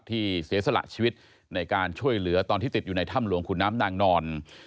เสียสละชีวิตในการช่วยเหลือตอนที่ติดอยู่ในถ้ำหลวงขุนน้ำนางนอน